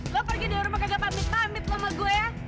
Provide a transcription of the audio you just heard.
lo pergi dari rumah kagak pamit pamit mama gue ya